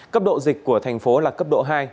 cấp độ dịch của thành phố là cấp độ hai